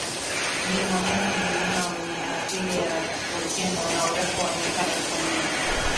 Mlima Meru ni mlima wenye asili ya volkeno na urefu wa mita elfu nne